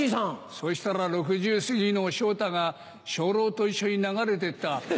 そしたら６０すぎの昇太が精霊と一緒に流れてった。